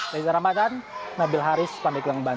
dari sarabatan nabil haris pantai kelenggaraan